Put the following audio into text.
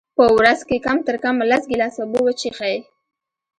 په ورځ کي کم ترکمه لس ګیلاسه اوبه وچیښئ